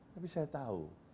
tapi saya tahu